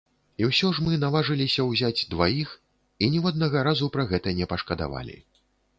І ўсё ж мы наважыліся ўзяць дваіх і ніводнага разу пра гэта не пашкадавалі.